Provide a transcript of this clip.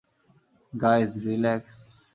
Guys, relax.